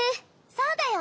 そうだよ。